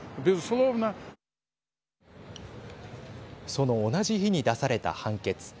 その同じ日に出された判決。